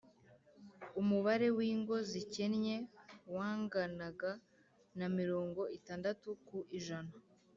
umubare w'ingo zikennye wanganaga na mirongo itandatu ku ijana .